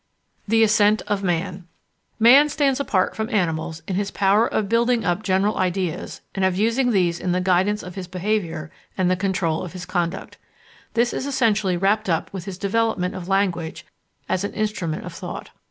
The Ascent of Man Man stands apart from animals in his power of building up general ideas and of using these in the guidance of his behaviour and the control of his conduct. This is essentially wrapped up with his development of language as an instrument of thought.